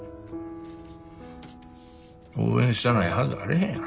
応援したないはずあれへんやろ。